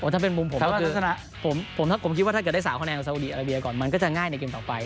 ถ้าเป็นมุมผมก็คือถ้าผมคิดว่าถ้าเกิดได้๓คะแนนของสาวดีอาราเบียก่อนมันก็จะง่ายในเกมต่อไป